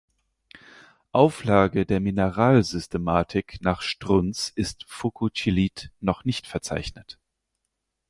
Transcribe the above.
Auflage der Mineralsystematik nach Strunz ist Fukuchilit noch nicht verzeichnet.